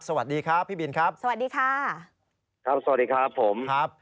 สวัสดีครับพี่บินครับสวัสดีค่ะครับสวัสดีครับผมครับ